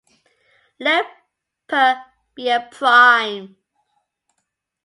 Let "p" be a prime.